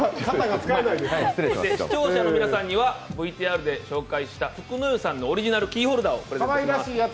視聴者の皆さんにはＶＴＲで紹介した福の湯さんのオリジナルキーホルダーを。